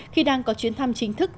khi đang có chuyến thăm